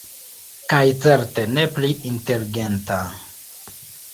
Kaj certe ne pli inteligenta.